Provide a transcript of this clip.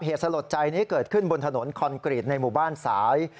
สลดใจนี้เกิดขึ้นบนถนนคอนกรีตในหมู่บ้านสาย